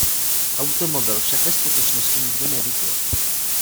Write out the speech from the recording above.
Automobil však ve skutečnosti nikdo neviděl.